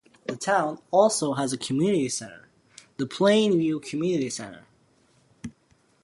The town also has a community center, the Plainview Community Center.